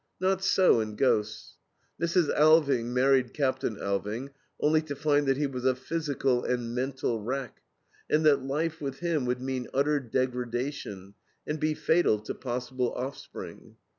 Not so in GHOSTS. Mrs. Alving married Captain Alving only to find that he was a physical and mental wreck, and that life with him would mean utter degradation and be fatal to possible offspring.